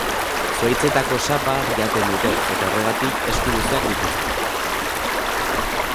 Zuhaitzetako sapa jaten dute eta horregatik esku luzeak dituzte.